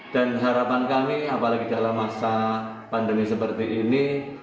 dan harapan kami apalagi dalam masa pandemi seperti ini